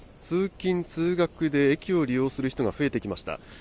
通勤・通学で駅を利用する人が増えてきました。